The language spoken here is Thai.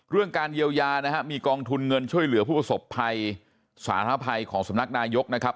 เรื่องการเยียวยานะฮะมีกองทุนเงินช่วยเหลือผู้ประสบภัยสาธารณภัยของสำนักนายกนะครับ